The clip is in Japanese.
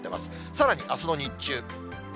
さらにあすの日中。